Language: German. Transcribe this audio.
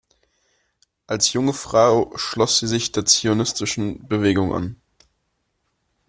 Als junge Frau schloss sie sich der zionistischen Bewegung an.